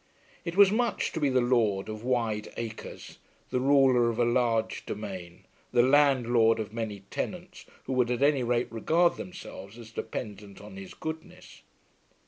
It was much to be the lord of wide acres, the ruler of a large domain, the landlord of many tenants who would at any rate regard themselves as dependent on his goodness.